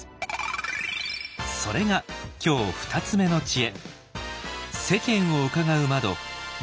それが今日２つ目の知恵。